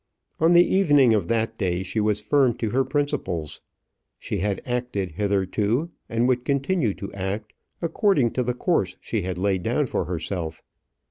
On the evening of that day she was firm to her principles. She had acted hitherto, and would continue to act, according to the course she had laid down for herself.